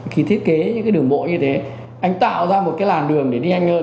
khi thiết kế những cái đường bộ như thế anh tạo ra một cái làn đường để đi anh hơn